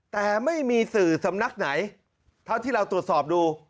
แต่ไม่มีสื่อสำนักไหนเท่าที่เราตรวจสอบดู